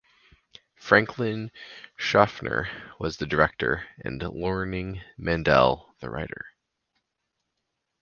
Franklin Schaffner was the director and Loring Mandel the writer.